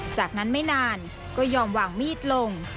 จากนั้นไม่นานก็ยอมวางมีดลง